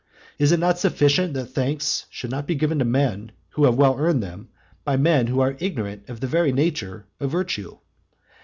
Is it not sufficient that thanks should not be given to men who have well earned them, by men who are ignorant of the very nature of virtue?